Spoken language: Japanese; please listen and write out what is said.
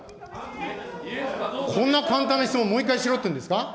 こんな簡単な質問、もう一回しろっていうんですか。